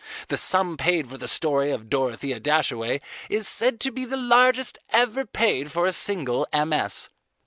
The sum paid for the story of Dorothea Dashaway is said to be the largest ever paid for a single MS.